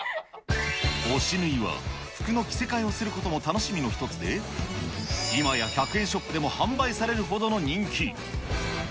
推しぬいは服の着せ替えをすることも楽しみの一つで、今や１００円ショップでも販売されるほどの人気。